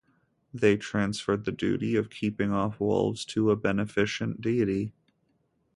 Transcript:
They transferred the duty of keeping off wolves to a beneficent deity.